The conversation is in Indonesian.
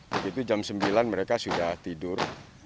begitu jam sembilan mereka sudah tidur